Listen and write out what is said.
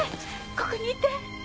ここにいて！